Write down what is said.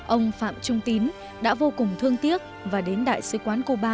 ông phạm trung tín đã vô cùng thương tiếc và đến đại sứ quán cuba